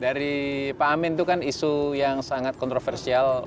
dari pak amin itu kan isu yang sangat kontroversial